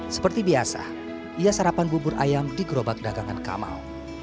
seperti biasa ia sarapan bubur ayam di gerobak dagangan kamal